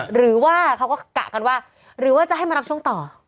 หรือว่าเขาก็กะกันว่าหรือว่าจะให้มารับช่วงต่อ